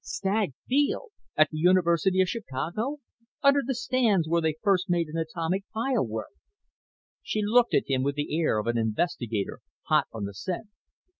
"Stagg Field? At the University of Chicago? Under the stands where they first made an atomic pile work?" She looked at him with the air of an investigator hot on the scent.